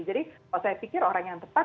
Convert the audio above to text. jadi kalau saya pikir orang yang tepat